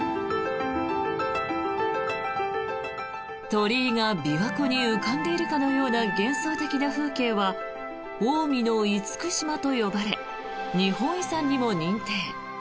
鳥居が琵琶湖に浮かんでいるかのような幻想的な風景は近江の厳島と呼ばれ日本遺産にも認定。